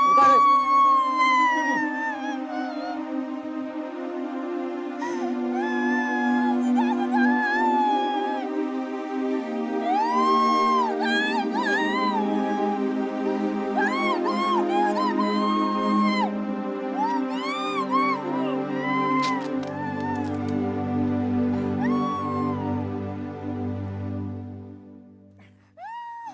tôi bị ăn mơ